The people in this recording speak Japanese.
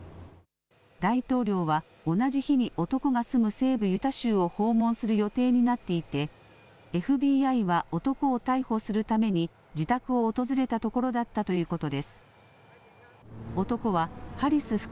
大統領は同じ日に男が住む西部ユタ州を訪問する予定になっていてＦＢＩは男を逮捕するために自宅を訪れたところだったということです。